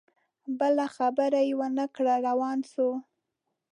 بله خبره یې ونه کړه روان سو